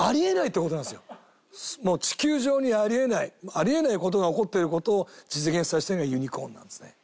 あり得ない事が起こっている事を実現させているのがユニコーンなんですね。